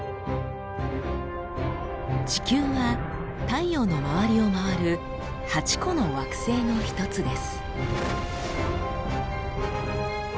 地球は太陽の周りを回る８個の惑星の１つです。